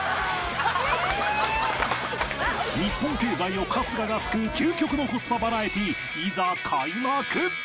日本経済を春日が救う究極のコスパバラエティいざ開幕！